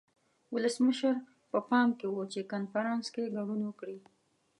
ولسمشر په پام کې و چې کنفرانس کې ګډون وکړي.